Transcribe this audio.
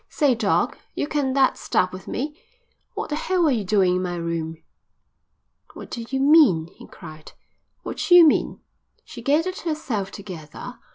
"Say, doc, you can that stuff with me. What the hell are you doin' in my room?" "What do you mean?" he cried. "What d'you mean?" She gathered herself together.